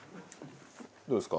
どうですか？